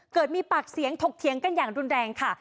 เกิดมีปากเสียงถกเถียงกันอย่างรุนแรงค่ะ